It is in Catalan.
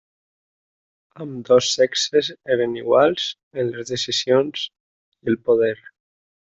Ambdós sexes eren iguals en les decisions i el poder.